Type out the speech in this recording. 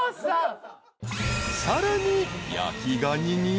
［さらに］